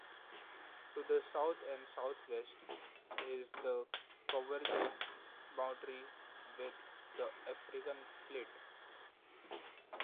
To the south and southwest is a convergent boundary with the African Plate.